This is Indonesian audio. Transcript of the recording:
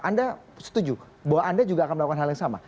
anda setuju bahwa anda juga akan melakukan hal yang sama